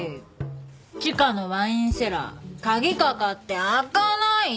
地下のワインセラー鍵かかって開かない！